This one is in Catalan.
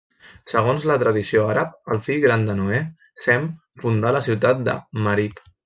Segons la tradició àrab, el fill gran de Noè, Sem, fundà la ciutat de Ma'rib.